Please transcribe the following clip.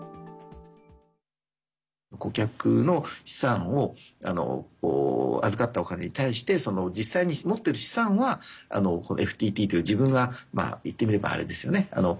顧客の資産を預かったお金に対して実際に持ってる資産はＦＴＴという自分がいってみればあれですよね。